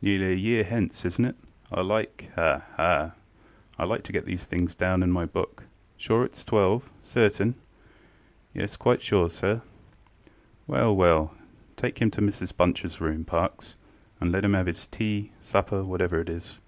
Nearly a year hence, isnŌĆÖt it? I likeŌĆöha, ha! ŌĆöI like to get these things down in my book. Sure itŌĆÖs twelve? Certain? ŌĆØ ŌĆ£Yes, quite sure, sir. ŌĆØ ŌĆ£Well, well! Take him to Mrs BunchŌĆÖs room, Parkes, and let him have his teaŌĆösupperŌĆöwhatever it is.